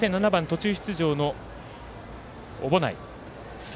７番、途中出場の小保内。